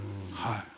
はい。